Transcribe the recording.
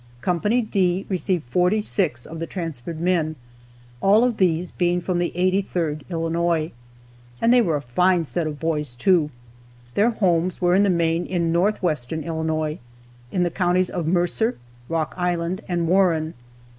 Co. D received forty six of the transferred men, all of these being from the 83rd Illinois. And they were a fine set of boys, too. Their homes were, in the main, in northwestern Illinois, in the counties of Mercer, Rock Island, and Warren.